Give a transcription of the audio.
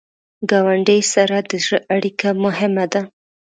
ګاونډي سره د زړه اړیکه مهمه ده